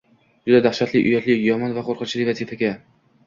Juda daxshatli, uyatli, yomon va qo’rqinchli vaziyatga